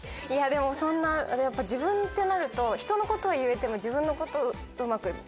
いやでもそんな自分ってなるとひとのことは言えても自分のことはうまく。